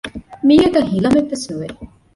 މީހަކަށް ހިލަމެއް ވެސް ނުވެ